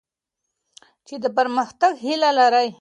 چي د پرمختګ هیله لرئ.